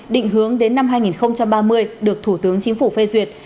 định hướng đến năm hai nghìn ba mươi được thủ tướng chính phủ phê duyệt